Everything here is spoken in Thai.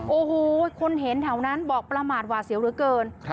โอ้โหคนเห็นแถวนั้นบอกประมาทหวาเสียวเหลือเกิน